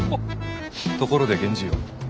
ところで源氏よ。